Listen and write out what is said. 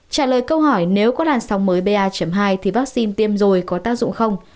trả lời câu hỏi nếu có làn sóng mới ba hai thì vaccine tiêm rồi có tác dụng không